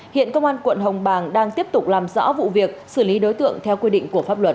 hiện công an quận hồng bàng đang tiếp tục làm rõ vụ việc xử lý đối tượng theo quy định của pháp luật